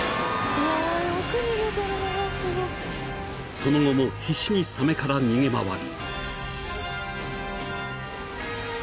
［その後も必死にサメから逃げ回る］